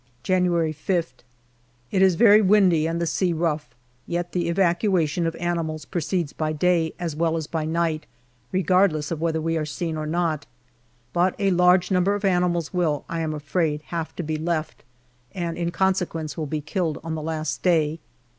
January 5th. It is very windy and the sea rough, yet the evacuation of animals proceeds by day as well as by night, regardless of whether we are seen or not. But a large number of animals will, I am afraid, have to be left, and in conse quence be killed on the last day.